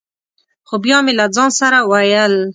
خو بیا مې له ځان سره ویل: